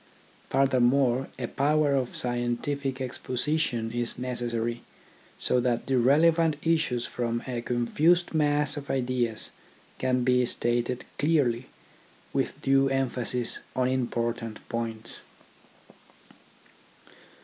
Furthermore, a power of scientific expo sition is necessary, so that the relevant issues from a confused mass of ideas can be stated clearly, with due emphasis on important points.